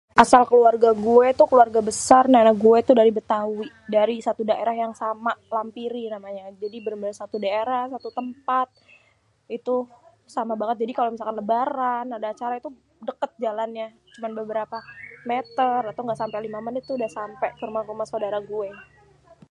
Asal keluarga gué tuh keluarga besar nene gué tuh dari Bétawi dari satu daerah yang sama lampirin, jadi bener-bener satu daerah satu tempat itu sama banget. Jadi kalo misalkan lebaran kalo ada acara tuh deket jalannya, cuma beberapa meter atau gak sampe lima menit itu udah sampe rumah sodara gué.